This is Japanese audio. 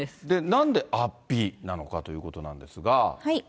なんで安比なのかということなんですが。